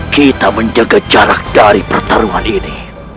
kita menjaga jarak dari pertarungan ini